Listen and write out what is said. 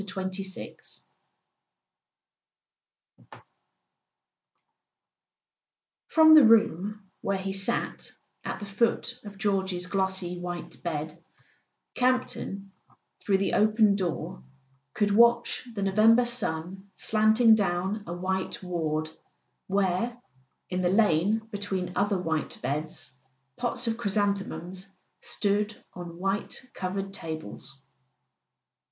XXVI F ROM the room where he sat at the foot of George's glossy white bed, Campton, through the open door, could watch the November sun slanting down a white ward where, in the lane between other white beds, pots of chrysanthemums stood on white covered tables.